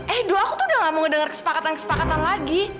edo aku tuh udah gak mau ngedenger kesepakatan kesepakatan lagi